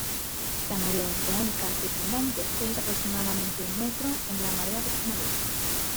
La marea oceánica circundante es de aproximadamente un metro en la marea de primavera.